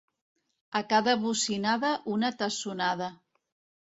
A cada bocinada, una tassonada.